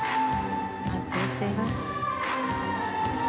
安定しています。